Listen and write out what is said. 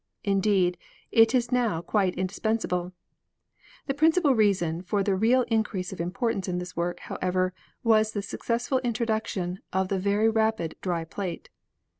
Indeed, it is now quite indispensabl 1. The principal reason for the real increase of importance in this work, however, was the suc cesful introduction of the very rapid dry plate.